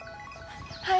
はい。